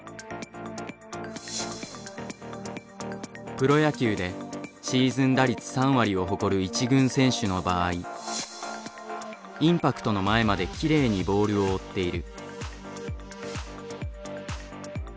プロ野球でシーズン打率３割を誇る１軍選手の場合インパクトの前まできれいにボールを追っている。